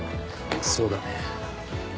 そうだね。